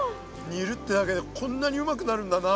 煮るってだけでこんなにうまくなるんだな。